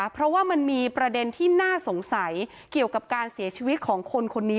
เพราะว่ามันมีประเด็นที่น่าสงสัยเกี่ยวกับการเสียชีวิตของคนคนนี้